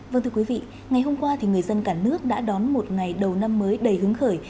vâng thưa quý vị ngày hôm qua thì người dân cả nước đã đón một ngày đầu năm mới đầy hứng khởi